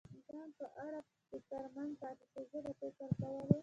ځان په اړه فکرمند پاتې شي، زه د فکر کولو.